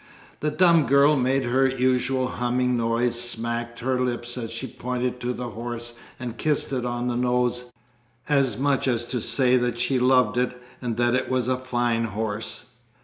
The dumb girl made her usual humming noise, smacked her lips as she pointed to the horse and kissed it on the nose, as much as to say that she loved it and that it was a fine horse.